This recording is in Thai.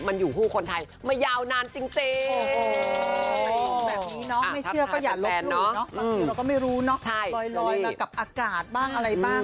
มันอยู่คู่คนไทยมายาวนานจริง